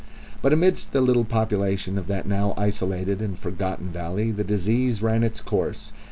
And amidst the little population of that now isolated and forgotten valley the disease ran its course.